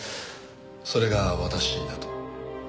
それが私だと？